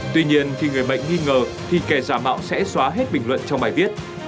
tuy nhiên khi người bệnh nghi ngờ thì kẻ giả mạo sẽ xóa hết bình luận trong bài viết